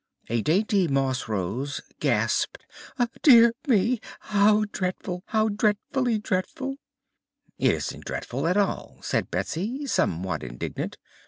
A dainty Moss Rose gasped: "Dear me! How dreadfully dreadful!" "It isn't dreadful at all," said Betsy, somewhat indignant.